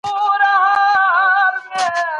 ځينو خلګو به جينيټيکي علتونه يادول.